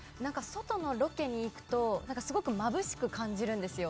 外のロケに行くとすごくまぶしく感じるんですよ。